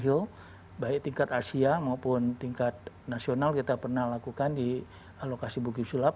kemarin perhatian daripada downhill baik tingkat asia maupun tingkat nasional kita pernah lakukan di lokasi bukit sulap